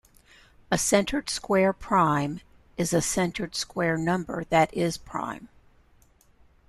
A centered square prime is a centered square number that is prime.